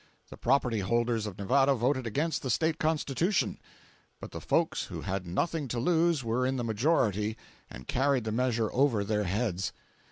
The property holders of Nevada voted against the State Constitution; but the folks who had nothing to lose were in the majority, and carried the measure over their heads.